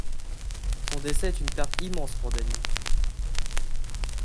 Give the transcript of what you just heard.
Son décès est une perte immense pour Danny.